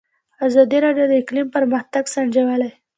ازادي راډیو د اقلیم پرمختګ سنجولی.